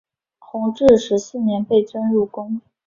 弘治十四年被征入宫。